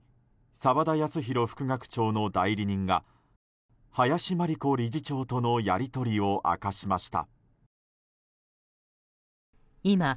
澤田康広副学長の代理人が林真理子理事長とのやり取りを明かしました。